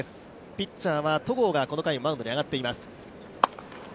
ピッチャーは戸郷がこの回、マウンドに上がっています。